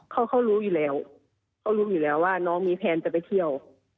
เขาเขารู้อยู่แล้วเขารู้อยู่แล้วว่าน้องมีแพลนจะไปเที่ยว